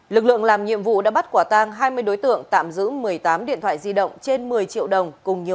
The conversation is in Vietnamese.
lực lượng làm nhiệm vụ đã bắt quả tang hai mươi đối tượng tạm giữ một mươi tám điện thoại di động